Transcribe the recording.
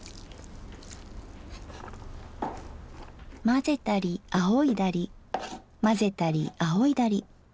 混ぜたりあおいだり混ぜたりあおいだり。